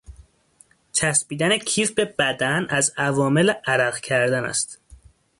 چسبیدن کیف به بدن، از عوامل عرق کردن است